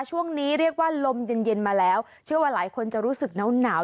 ช่วงนี้เรียกว่าลมเย็นเย็นมาแล้วเชื่อว่าหลายคนจะรู้สึกหนาว